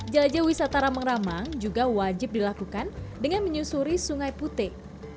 jelajah wisata ramang ramang juga wajib dilakukan dengan menyusuri sungai putih